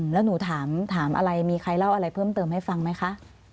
แล้วหนูถามอะไรมีใครเล่าอะไรเพิ่มเติมให้ฟังไหมคะ